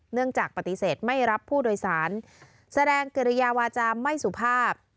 เนื่องจากปฏิเสธไม่รับผู้โดยสารแสดงกิริยาวาจาไม่สุภาพ